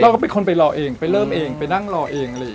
เราก็เป็นคนไปรอเองไปเริ่มเองไปนั่งรอเอง